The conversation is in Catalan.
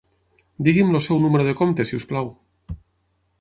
Digui'm el seu número de compte si us plau.